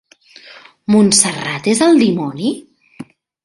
Montserrat és el dimoni?